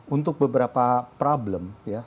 untuk beberapa problem ya